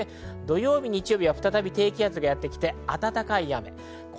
土日は再び低気圧がやってきて暖かい雨。